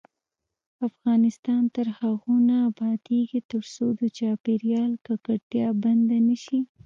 افغانستان تر هغو نه ابادیږي، ترڅو د چاپیریال ککړتیا بنده نشي.